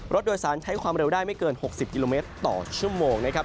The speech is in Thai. รถโดยสารใช้ความเร็วได้ไม่เกิน๖๐กิโลเมตรต่อชั่วโมงนะครับ